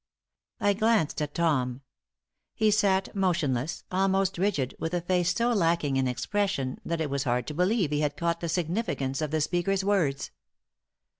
I glanced at Tom. He sat motionless, almost rigid, with a face so lacking in expression that it was hard to believe he had caught the significance of the speaker's words.